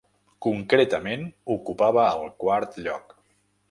Concretament, ocupava el quart lloc.